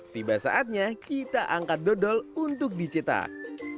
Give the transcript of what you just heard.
tiba saatnya kita angkat dodol untuk dicetak